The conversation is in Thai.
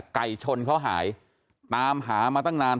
ไก่ชนเขาหายตามหามาตั้งนาน